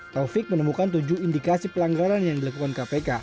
taufik menemukan tujuh indikasi pelanggaran yang dilakukan kpk